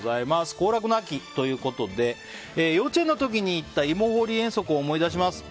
行楽の秋ということで幼稚園の時に行った芋掘り遠足を思い出します。